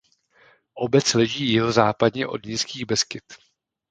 Obec leží jihozápadně od Nízkých Beskyd.